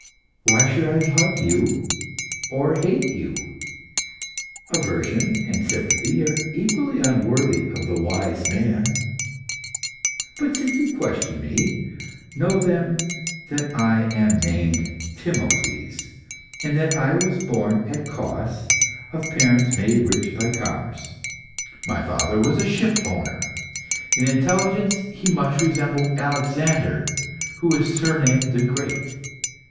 Why should I love you, or hate you? Aversion and sympathy are equally unworthy of the wise man. But since you question me, know then that I am named Timocles, and that I was born at Cos, of parents made rich by commerce. My father was a shipowner. In intelligence he much resembled Alexander, who is surnamed the Great.